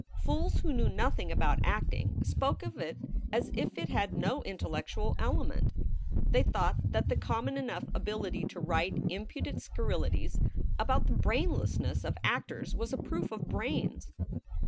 Fools who knew nothing about acting spoke of it as if it had no intellectual element. They thought that the common enough ability to write impudent scurrilities about the brainlessness of actors was a proof of brains.